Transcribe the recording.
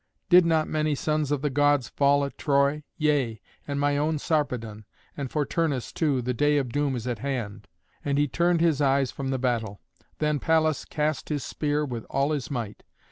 Did not many sons of the gods fall at Troy? yea, and my own Sarpedon. And for Turnus, too, the day of doom is at hand." And he turned his eyes from the battle. Then Pallas cast his spear with all his might.